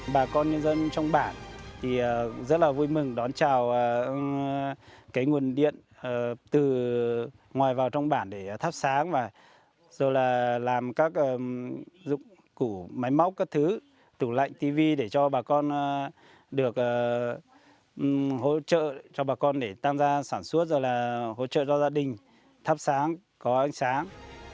bà con nhân dân trong bản thì rất là vui mừng đón chào cái nguồn điện từ ngoài vào trong bản để thắp sáng và rồi là làm các dụng củ máy móc các thứ tủ lạnh tv để cho bà con được hỗ trợ cho bà con để tăng ra sản xuất rồi là hỗ trợ cho gia đình thắp sáng có ánh sáng